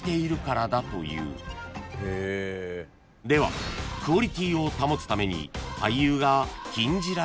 ［ではクオリティーを保つために］